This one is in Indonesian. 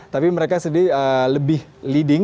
tapi mereka lebih leading